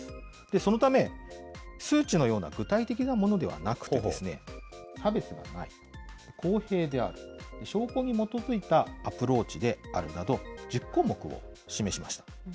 そのため、数値のような具体的なものではなくて、差別がない、公平である、証拠に基づいたアプローチであるなど、１０項目を示しました。